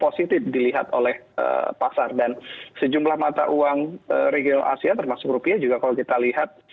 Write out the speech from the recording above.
positif dilihat oleh pasar dan sejumlah mata uang regional asia termasuk rupiah juga kalau kita lihat